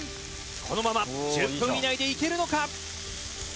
「このまま１０分以内でいけるのか？」